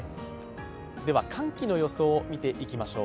では寒気の予想を見ていきましょう。